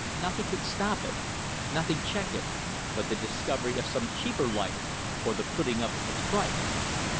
Nothing could stop it, nothing check it, but the discovery of some cheaper light or the putting up of its price.